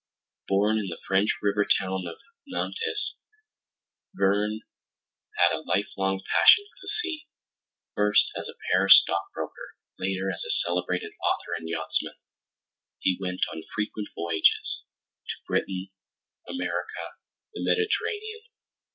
Born in the French river town of Nantes, Verne had a lifelong passion for the sea. First as a Paris stockbroker, later as a celebrated author and yachtsman, he went on frequent voyages—to Britain, America, the Mediterranean.